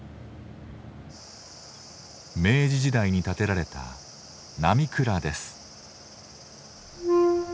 明治時代に建てられた「並倉」です。